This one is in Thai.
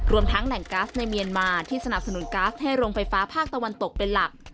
ทั้งแหล่งก๊าซในเมียนมาที่สนับสนุนก๊าซให้โรงไฟฟ้าภาคตะวันตกเป็นหลัก